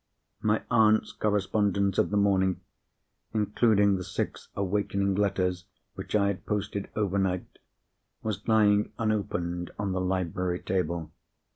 My aunt's correspondence of the morning—including the six awakening letters which I had posted overnight—was lying unopened on the library table.